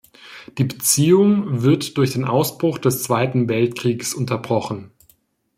Die Beziehung wird durch den Ausbruch des Zweiten Weltkriegs unterbrochen.